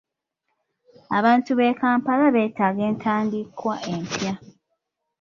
Abantu b'e Kampala beetaaga entandikwa empya.